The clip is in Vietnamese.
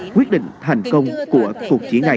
quyết định thành công của cuộc chỉ này